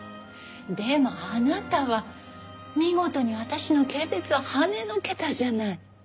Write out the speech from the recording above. でもあなたは見事に私の軽蔑をはねのけたじゃない。